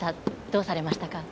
どうされましたか？